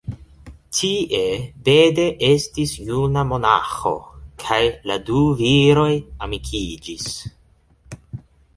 Tie Bede estis juna monaĥo, kaj la du viroj amikiĝis.